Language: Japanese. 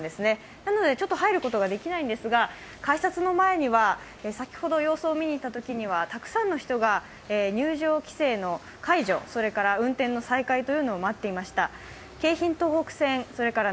なので入ることができないんですが改札の前には先ほど様子を見に行ったときには、たくさんの人が入場規制の解除、運転の再開を待っていました。